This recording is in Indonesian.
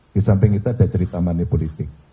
di samping itu ada cerita manipulatif